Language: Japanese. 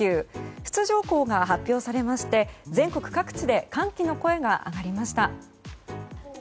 出場校が発表されまして全国各地で歓喜の声が上がりました。